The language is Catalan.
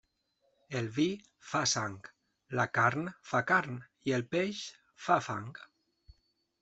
El vi fa sang, la carn fa carn i el peix fa fang.